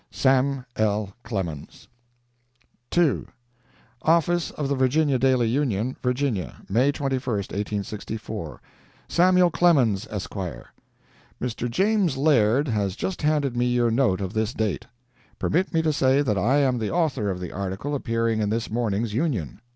SAM. L. CLEMENS [ II ] OFFICE OF THE VIRGINIA DAILY UNION VIRGINIA, May 21, 1864 SAMUEL CLEMENS, ESQ.—Mr. James Laird has just handed me your note of this date. Permit me to say that I am the author of the Article appearing in this morning's Union.